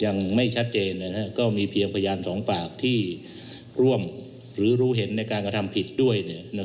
ยังไม่ชัดเจนก็มีเพียงพยานสองปากที่ร่วมหรือรู้เห็นในการกระทำผิดด้วย